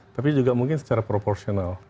tapi juga mungkin secara proporsional